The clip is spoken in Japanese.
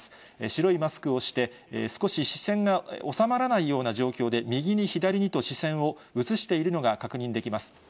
白いマスクをして少し視線が収まらないような状況で、右に左と視線を移しているのが確認できます。